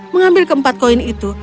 mengambil keempat koin itu